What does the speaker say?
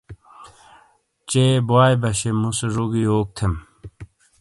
چے بوئے بشے مُوسے زو گی یوک تھیم؟